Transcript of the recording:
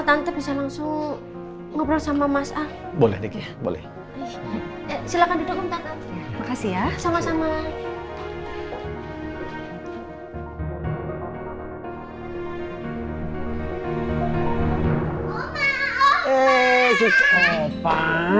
tante bisa langsung ngobrol sama mas al boleh diki boleh silakan duduk om tante makasih ya sama sama